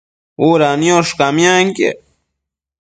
Uda niosh camianquiec